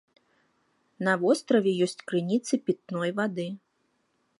На востраве ёсць крыніцы пітной вады.